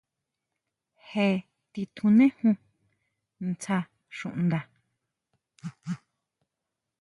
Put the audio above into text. Je titjunejun ntsja xuʼnda.